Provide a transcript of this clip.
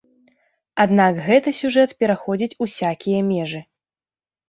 Аднак гэты сюжэт пераходзіць усякія межы.